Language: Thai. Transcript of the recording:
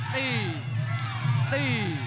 ตี